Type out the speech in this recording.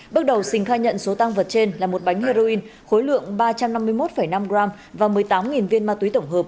bước đầu sình khai nhận số tăng vật trên là một bánh heroin khối lượng ba trăm năm mươi một năm g và một mươi tám viên ma túy tổng hợp